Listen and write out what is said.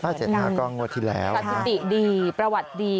๕๗๕ก็งวดที่แล้วสถิติดีประวัติดี